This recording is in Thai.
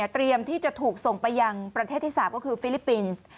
ที่จะถูกส่งไปยังประเทศที่๓ก็คือฟิลิปปินส์